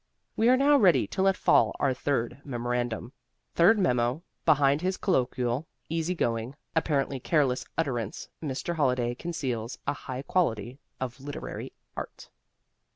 We are now ready to let fall our third memorandum: Third Memo Behind his colloquial, easygoing (apparently careless) utterance, Mr. Holliday conceals a high quality of literary art.